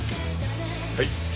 はい？